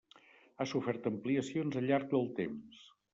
Ha sofert ampliacions al llarg del temps.